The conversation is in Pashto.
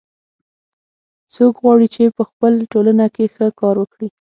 څوک غواړي چې په خپل ټولنه کې ښه کار وکړي